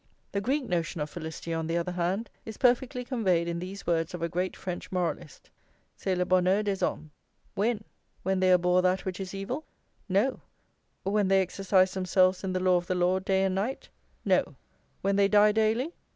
The Greek notion of felicity, on the other hand, is perfectly conveyed in these words of a great French moralist: "C'est le bonheur des hommes" when? when they abhor that which is evil? no; when they exercise themselves in the law of the Lord day and night? no; when they die daily?